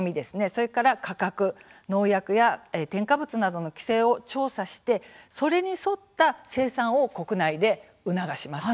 それから価格農薬や添加物などの規制を調査してそれに沿った生産を国内で促します。